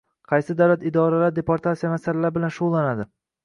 Qaysi davlat idoralari deportatsiya masalalari bilan shug‘ullanadi?